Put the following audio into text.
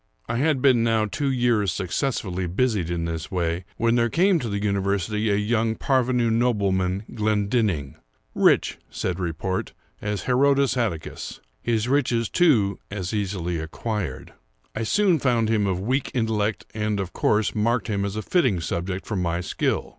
I had been now two years successfully busied in this way, when there came to the university a young parvenu nobleman, Glendinning—rich, said report, as Herodes Atticus—his riches, too, as easily acquired. I soon found him of weak intellect, and, of course, marked him as a fitting subject for my skill.